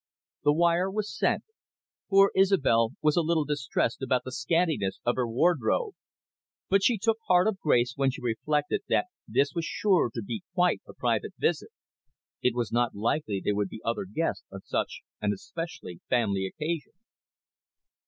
The wire was sent. Poor Isobel was a little distressed about the scantiness of her wardrobe. But she took heart of grace when she reflected that this was sure to be quite a private visit. It was not likely there would be other guests on such an especially family occasion.